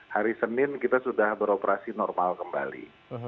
hari senin kita sudah beroperasi normal kembali